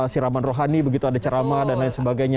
siraman rohani begitu ada ceramah dan lain sebagainya